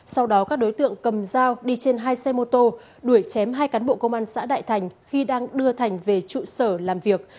sau đó các đối tượng cầm dao đi trên hai xe mô tô đuổi chém hai cán bộ công an xã đại thành khi đang đưa thành về trụ sở làm việc